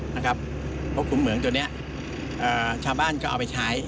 เพราะขุมเหมืองตัวนี้ชาวบ้านก็เอาไปใช้